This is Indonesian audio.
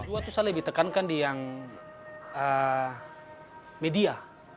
papua itu saya lebih tekankan di media